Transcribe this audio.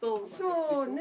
そうね。